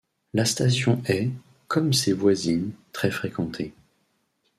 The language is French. La station est, comme ses voisines, très fréquentée.